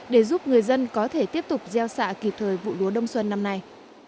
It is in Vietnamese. để giúp người dân có thể tiếp tục gieo xạ kịp thời vụ lúa đông xuân năm nay